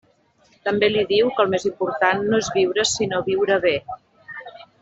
També li diu que el més important no és viure sinó viure bé.